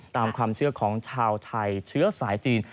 ตามความเชื่อของชาวไทยเชื้อสายจีน